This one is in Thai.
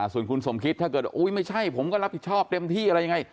ส่วนคุณสมคิดถ้าเกิดอุ๊ยไม่ใช่ผมก็รับผิดชอบเต็มที่อะไรยังไง